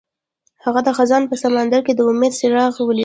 هغه د خزان په سمندر کې د امید څراغ ولید.